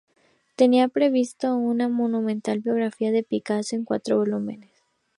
Tenía previsto una monumental biografía de Picasso en cuatro volúmenes.